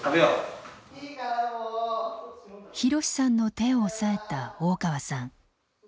ひろしさんの手を押さえた大川さん。